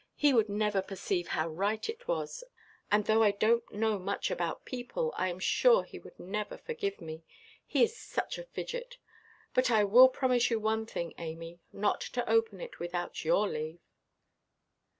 He would never perceive how right it was; and, though I donʼt know much about people, I am sure he would never forgive me. He is such a fidget. But I will promise you one thing, Amy—not to open it without your leave."